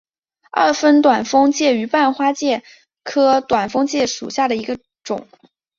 二分短蜂介为半花介科短蜂介属下的一个种。